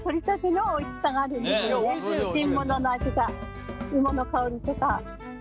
新物の味が芋の香りとか。